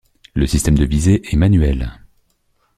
Le système de visée est manuel.